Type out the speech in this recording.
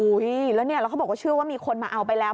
อุ๊ยแล้วนี่เราก็บอกว่าเชื่อว่ามีคนมาเอาไปแล้ว